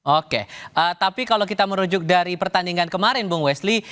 oke tapi kalau kita merujuk dari pertandingan kemarin bung wesli